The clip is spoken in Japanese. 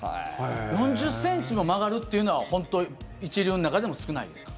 ４０ｃｍも曲がるっていうのは本当、一流の中でも少ないですか？